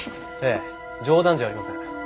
ええ冗談じゃありません。